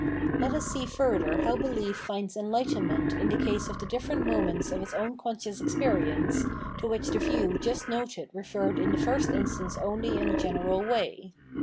Let us see further how belief finds enlightenment in the case of the difierent moments of its own con 560 Phenomenology oj Mind scious experience, to which the view just noted referred in the first instance only in a general way.